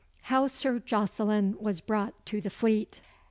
How Sir Jocelyn was brought to the Fleet.